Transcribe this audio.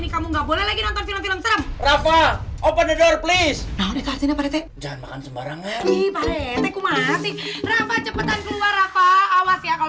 iya ali gak apa apa kamu kejar aja pocongnya